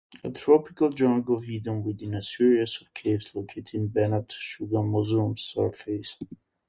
A tropical jungle hidden within a series of caves located beneath Shuggazoom's surface.